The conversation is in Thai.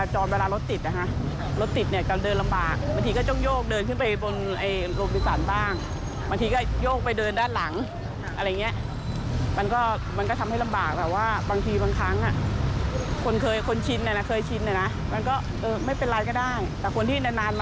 ช่วงเย็นทำให้รถติด